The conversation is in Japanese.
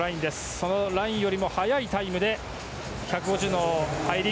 そのラインよりも速いタイムで１５０の入り。